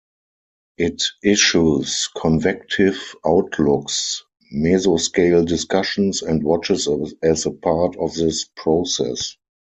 It issues convective outlooks, mesoscale discussions, and watches as a part of this process.